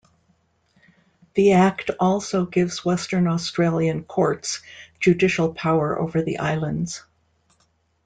The Act also gives Western Australian courts judicial power over the islands.